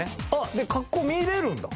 で格好見れるんだ。